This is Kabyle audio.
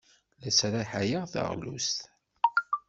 La sraḥayeɣ taɣlust.